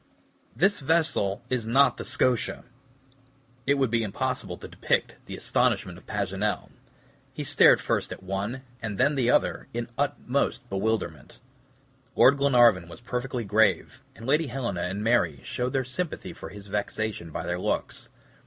"This vessel is not the SCOTIA." It would be impossible to depict the astonishment of Paganel. He stared first at one and then at another in the utmost bewilderment. Lord Glenarvan was perfectly grave, and Lady Helena and Mary showed their sympathy for his vexation by their looks.